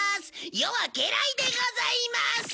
余は家来でございます！